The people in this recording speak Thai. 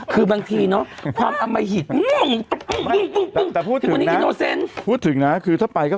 ผมถาม๓เวลา